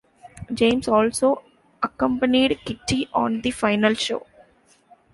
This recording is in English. James also accompanied Kitty on the final show.